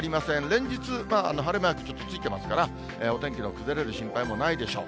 連日、晴れマークちょっとついてますから、お天気の崩れる心配もないでしょう。